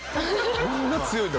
そんな強いんだ